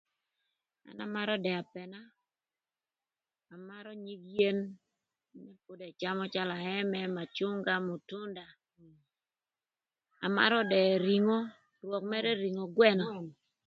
An amarö dëë apëna, amarö nyig yen n'ëcamö calö aëmë, mücünga, matünda amarö dëë ringo rwök mërë tingo gwënö.